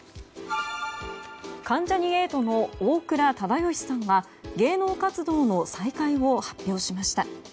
関ジャニ∞の大倉忠義さんが芸能活動の再開を発表しました。